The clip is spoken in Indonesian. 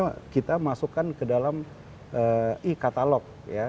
ya karena kita masukkan ke dalam e katalog ya